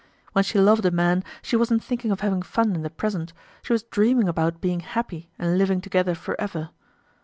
When she loved a man, she wasn't thinking of having fun in the present; she was dreaming about being happy and living together forever.